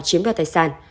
chiếm đoạt tài sản